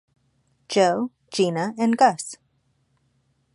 Joe, Gina and Gus.